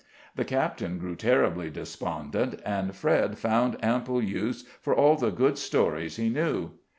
The captain grew terribly despondent, and Fred found ample use for all the good stories he knew.